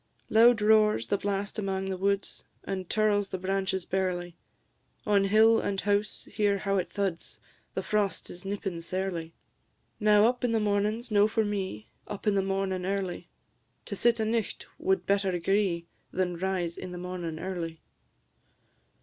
Loud roars the blast amang the woods, And tirls the branches barely; On hill and house hear how it thuds! The frost is nippin' sairly. Now, up in the mornin's no for me, Up in the mornin' early; To sit a' nicht wad better agree Than rise in the mornin' early.